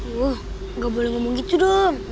wuh gak boleh ngomong gitu dong